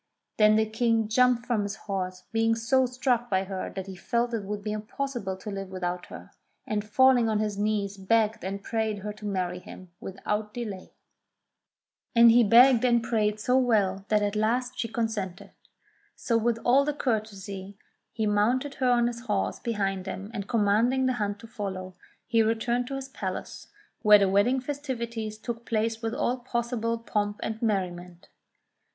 Then the King jumped from his horse, being so struck by her that he felt it would be impossible to live without her, and falling on his knee begged and prayed her to marry him without delay. 226 ENGLISH FAIRY TALES And he begged and prayed so well that at last she con sented. So, with all courtesy, he mounted her on his horse behind him, and commanding the hunt to follow, he returned to his palace, where the wedding festivities took place with all possible pomp and merriment.